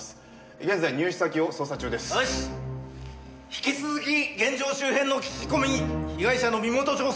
引き続き現場周辺の聞き込みに被害者の身元調査。